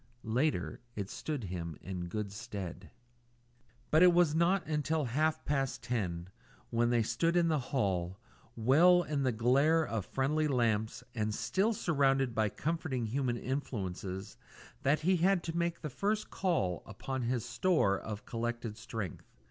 Later, it stood him in good stead. But it was not until half past ten, when they stood in the hall, well in the glare of friendly lamps and still surrounded by comforting human influences, that he had to make the first call upon this store of collected strength.